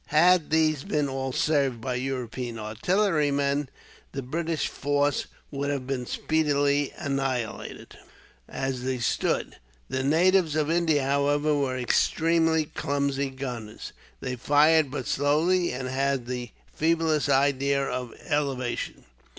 Had these been all served by European artillerymen, the British force would have been speedily annihilated as they stood. The natives of India, however, were extremely clumsy gunners. They fired but slowly, and had the feeblest idea of elevation.